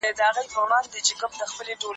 هنر د ښکلا او اغېز زېږنده دی.